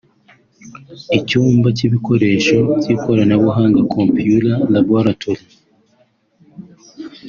icyumba cy’ibikoresho by’ikoranabuhanga (computer laboratory)